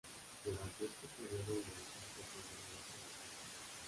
Durante este periodo ingresó por primera vez en la cárcel.